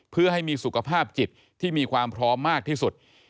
เพื่อให้มีสุขภาพจิตที่มีความพร้อมมากที่สุด